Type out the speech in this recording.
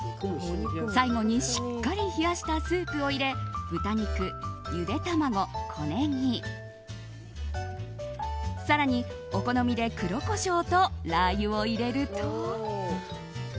最後にしっかり冷やしたスープを入れ豚肉、ゆで卵、小ネギ更にお好みで黒コショウとラー油を入れると。